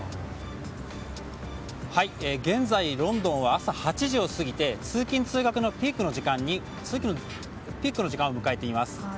現在ロンドンは朝８時を過ぎて通勤・通学のピークの時間を迎えています。